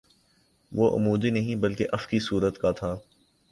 وہ عمودی نہیں بلکہ افقی صورت کا تھا